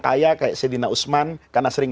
kaya kayak sayyidina usman karena sering